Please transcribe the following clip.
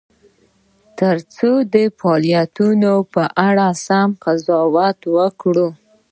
ترڅو د فعالیتونو په اړه سم قضاوت وکړو.